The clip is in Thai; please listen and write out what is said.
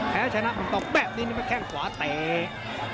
แพ้ชนะผ่านตกแบบนี้เนี่ยมันแค่ขวาเตะ